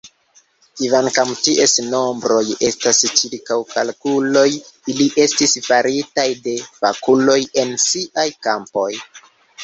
Kvankam ties nombroj estas ĉirkaŭkalkuloj, ili estis faritaj de fakuloj en siaj kampoj.